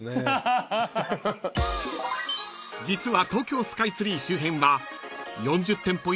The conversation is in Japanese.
［実は］